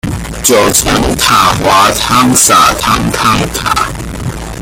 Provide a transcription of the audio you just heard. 九層塔滑湯灑湯燙塔